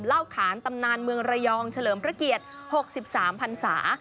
ขานตำนานเมืองระยองเฉลิมพระเกียรติ๖๓พันศา